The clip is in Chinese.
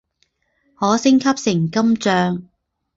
可升级成金将。